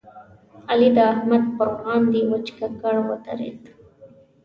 علي د احمد پر وړاندې وچ ککړ ودرېد.